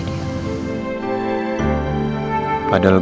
padahal gue juga harus cepat cepat makan